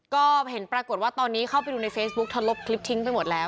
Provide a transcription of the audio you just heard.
ก็เห็นปรากฏว่าตอนนี้เข้าไปดูในเฟซบุ๊กเธอลบคลิปทิ้งไปหมดแล้ว